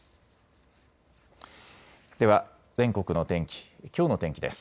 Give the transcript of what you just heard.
では全国の天気、きょうの天気です。